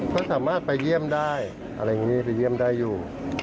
ก็สามารถไปเยี่ยมได้อะไรอย่างนี้ไปเยี่ยมได้อยู่